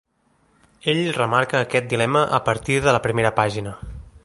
Ell remarca aquest dilema a partir de la primera pàgina.